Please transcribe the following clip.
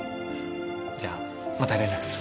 じゃあまた連絡する。